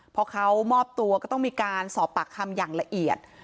พอเขามอบตัวก็ต้องมีการสอบปากคำอย่างละเอียด